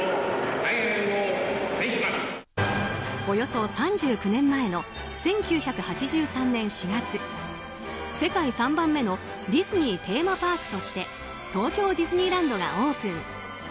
およそ３９年前の１９８３年４月世界３番目のディズニーテーマパークとして東京ディズニーランドがオープン。